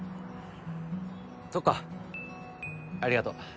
そっかありがとう。